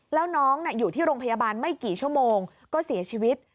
แล้วน้องอยู่ที่โรงพยาบาลไม่กี่ชั่วโมงก็เสียชีวิต